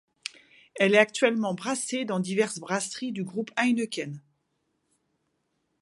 Elle est actuellement brassée dans diverses brasseries du groupe Heineken.